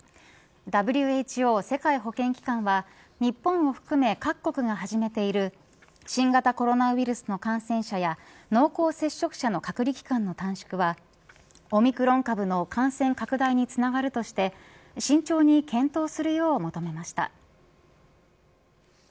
ＷＨＯ世界保健機関は日本を含め各国が始めている新型コロナウイルスの感染者や濃厚接触者の隔離期間の短縮はオミクロン株の感染拡大につながるとして慎重に検討するよう求めました。